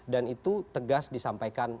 dan itu tegas disampaikan